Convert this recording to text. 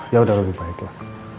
yaudah lebih baik lah